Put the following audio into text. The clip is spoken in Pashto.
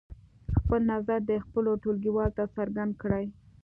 خپل نظر دې خپلو ټولګیوالو ته څرګند کړي.